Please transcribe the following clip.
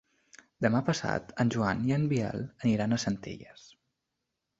Demà passat en Joan i en Biel aniran a Centelles.